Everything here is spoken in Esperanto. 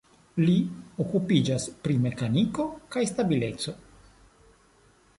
Li okupiĝas pri mekaniko kaj stabileco.